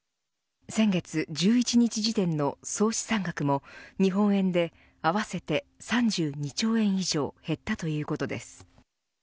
先月１１日時点の総資産額も日本円で合わせて３２兆円以上減ったということです。